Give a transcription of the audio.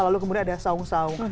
lalu kemudian ada saung saung